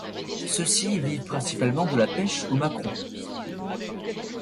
Ceux-ci vivent principalement de la pêche aux maquereaux.